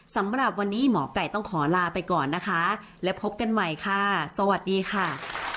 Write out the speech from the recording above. สำหรับวันนี้หมอไก่ต้องขอลาไปก่อนนะคะและพบกันใหม่ค่ะสวัสดีค่ะ